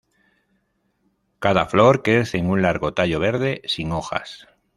Cada flor crece en un largo tallo verde, sin hojas.